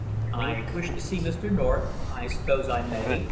"I wish to see Mr. North. I suppose I may?"